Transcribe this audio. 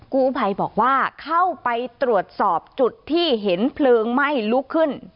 กู้ภัยบอกว่าเข้าไปตรวจสอบจุดที่เห็นเพลิงไหม้ลุกขึ้น